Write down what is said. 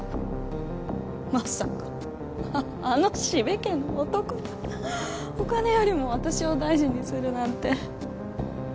まさかあの四部家の男がお金よりも私を大事にするなんて。